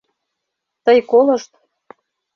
Тый колышт.